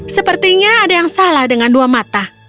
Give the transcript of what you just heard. sepertinya ada yang salah dengan dua mata